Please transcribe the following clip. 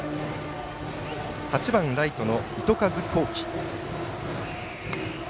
８番ライトの糸数幸輝。